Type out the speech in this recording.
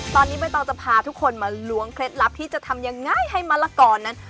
ตอนนี้ใบตองจะพาทุกคนมาล้วงเคล็ดลับที่จะทำยังไงให้มะละกอนั้น